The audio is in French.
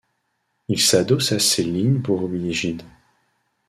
Il s’adosse à Céline pour oublier Gide.